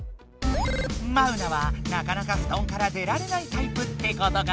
マウナはなかなかふとんから出られないタイプってことかな？